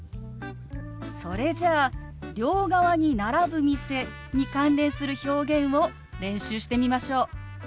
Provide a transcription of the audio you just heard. それじゃあ「両側に並ぶ店」に関連する表現を練習してみましょう。